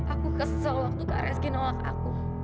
aku kesel waktu pak reski nolak aku